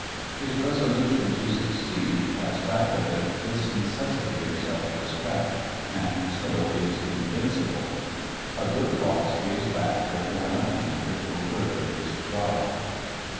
His resolution to succeed has back of it this necessity of self respect, and so is invincible. A good boss gives back before nothing which will further his job.